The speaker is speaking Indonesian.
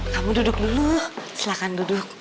kamu duduk dulu silahkan duduk